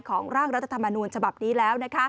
ร่างรัฐธรรมนูญฉบับนี้แล้ว